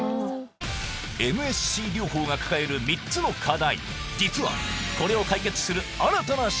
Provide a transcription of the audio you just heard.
ＭＳＣ療法が抱える３つの課題